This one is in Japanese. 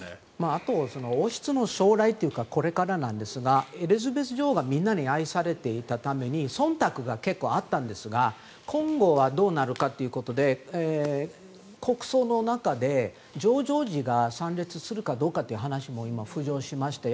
あと王室の将来というかこれからなんですがエリザベス女王がみんなに愛されていたためにそんたくが結構あったんですが今後はどうなるかということで国葬の中でジョージ王子が参列するかどうかという話も今、浮上しました。